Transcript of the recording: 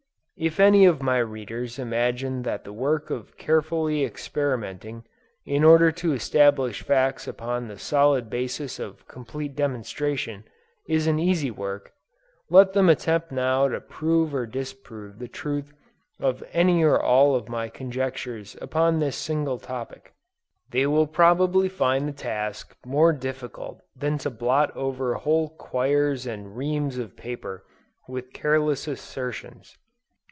If any of my readers imagine that the work of carefully experimenting, in order to establish facts upon the solid basis of complete demonstration, is an easy work, let them attempt now to prove or disprove the truth of any or all of my conjectures upon this single topic. They will probably find the task more difficult than to blot over whole quires and reams of paper with careless assertions.